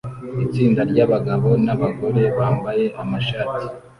Itsinda ryabagabo nabagore bambaye amashati